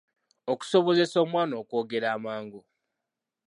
Okusobozesa omwana okwogera amangu.